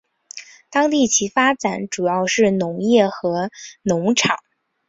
当地其它发展主要是农业和农场。